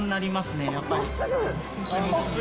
真っすぐ！